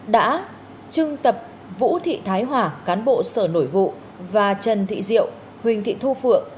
đã trưng tập vũ thị thái hòa cán bộ sở nội vụ và trần thị diệu huỳnh thị thu phượng